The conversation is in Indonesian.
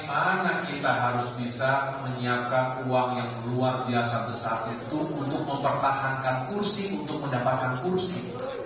bagaimana kita harus bisa menyiapkan uang yang luar biasa besar itu untuk mempertahankan kursi untuk mendapatkan kursi